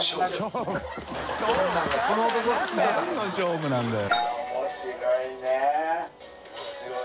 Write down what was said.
何の勝負なんだよ。